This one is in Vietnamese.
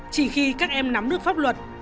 chỉ khi các em nắm được pháp luật